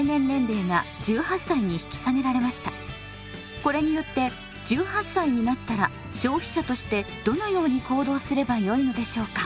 これによって「１８歳になったら消費者としてどのように行動すればよいのでしょうか？」。